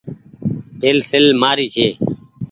پينسيل مآري ڇي۔